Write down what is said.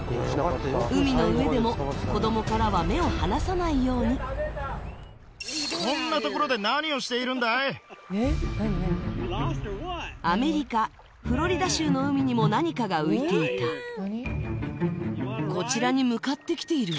海の上でも子どもからは目を離さないようにアメリカフロリダ州の海にも何かが浮いていたこちらに向かってきている